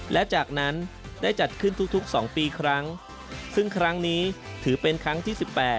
และจากนั้นได้จัดขึ้นทุก๒ปีครั้งซึ่งครั้งนี้ถือเป็นครั้งที่๑๘